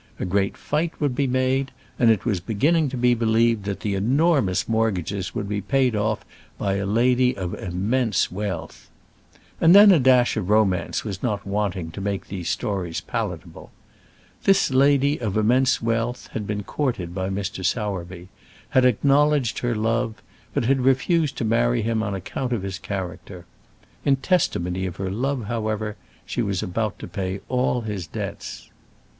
A great fight would be made, and it was beginning to be believed that the enormous mortgages would be paid off by a lady of immense wealth. And then a dash of romance was not wanting to make these stories palatable. This lady of immense wealth had been courted by Mr. Sowerby, had acknowledged her love, but had refused to marry him on account of his character. In testimony of her love, however, she was about to pay all his debts.